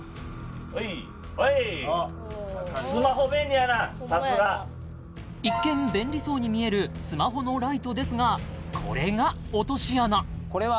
はいはいさすが一見便利そうにみえるスマホのライトですがこれが落とし穴